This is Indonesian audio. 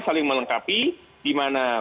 saling melengkapi di mana